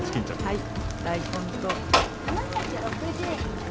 はい。